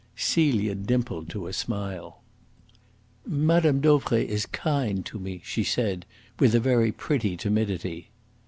Celia dimpled to a smile. "Mme. Dauvray is kind to me," she said, with a very pretty timidity.